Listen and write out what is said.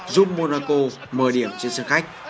giúp monaco mở điểm trên sân khách